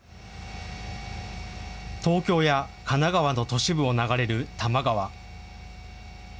東京や神奈川の都市部を流れる多摩川。